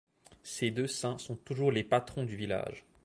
Ces deux saints sont toujours les patrons du village.